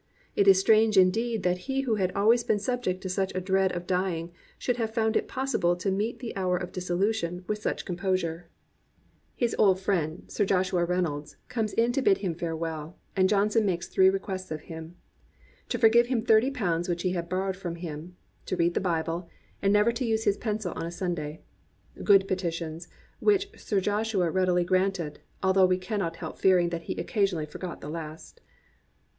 It is strange in deed that he who had always been subject to such a dread of dying should have foimd it possible to meet the hour of dissolution with such composure. 329 COMPANIONABLE BOOKS His old friend Sir Joshua Reynolds comes in to bid him farewell, and Johnson makes three requests of him, — to forgive him thirty pounds which he had borrowed from him, to read the Bible, and never to use his pencil on a Sunday. Good petitions, which Sir Joshua readily granted, although we can not help fearing that he occasionally forgot the last.